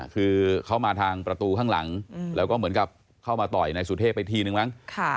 คือเขามาทางประตูข้างหลังแล้วก็เหมือนกับเข้ามาต่อยนายสุเทพไปทีนึงมั้ง